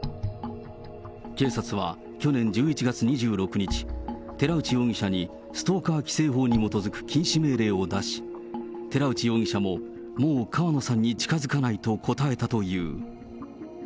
警察は去年１１月２６日、寺内容疑者にストーカー規制法に基づく禁止命令を出し、寺内容疑者ももう川野さんに近づかないと答えたという。